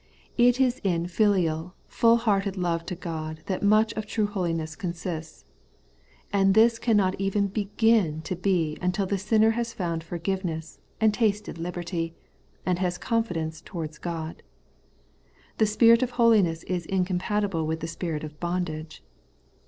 It is in filial, full hearted love to Grod that much of true holiness consists. And this cannot even legin to be imtil the sinner has found forgiveness and tasted liberty, and has confidence towards God. The spirit of holiness is incom patible with the spirit of bondage.